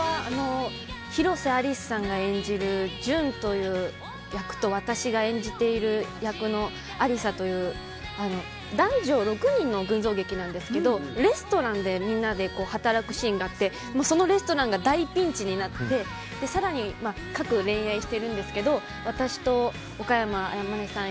広瀬アリスさんが演じる純という役と私が演じている役のアリサという男女６人の群像劇なんですけどレストランでみんなで働くシーンがあってそのレストランが大ピンチになって更に各恋愛してるんですけど私と、岡山天音さん